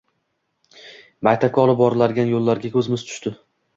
Maktabga olib boradigan yo‘llarga ko‘zimiz tushdi.